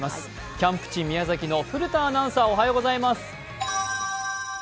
キャンプ地・宮崎の古田アナウンサー、おはようございます。